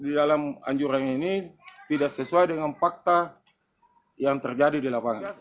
di dalam anjuran ini tidak sesuai dengan fakta yang terjadi di lapangan